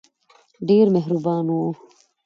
ډېر مهربان وو.